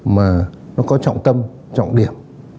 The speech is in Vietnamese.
mà nó có trọng tâm trọng điểm